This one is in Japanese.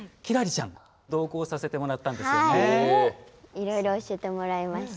いろいろ教えてもらいました。